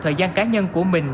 thời gian cá nhân của mình